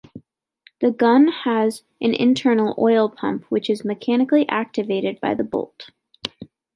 The gun has an internal oil pump which is mechanically activated by the bolt.